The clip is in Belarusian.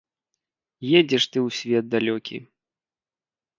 Едзеш ты ў свет далёкі.